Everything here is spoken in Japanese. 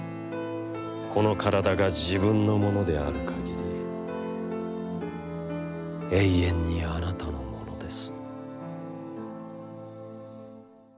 このからだが自分のものであるかぎり、永遠にあなたのものです」。